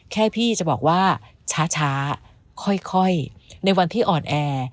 แค่พี่จะบอกว่าช้าค่อยในวันที่อ่อนแอ